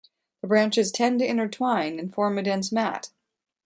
The branches tend to intertwine and form a dense mat.